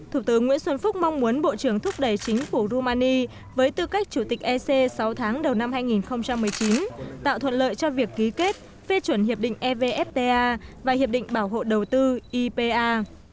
thủ tướng nguyễn xuân phúc mong muốn bộ trưởng thúc đẩy chính phủ romani với tư cách chủ tịch ec sáu tháng đầu năm hai nghìn một mươi chín tạo thuận lợi cho việc ký kết phê chuẩn hiệp định evfta và hiệp định bảo hộ đầu tư ipa